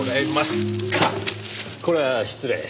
これは失礼。